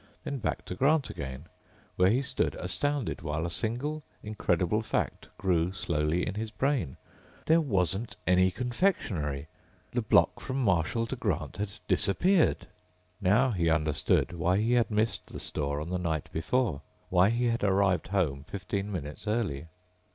Then back to Grant again, where he stood astounded while a single, incredible fact grew slowly in his brain: There wasn't any confectionery! The block from Marshall to Grant had disappeared! Now he understood why he had missed the store on the night before, why he had arrived home fifteen minutes early.